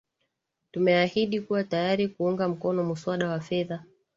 tumeahidi kuwa tayari kuunga mkono muswada wa fedha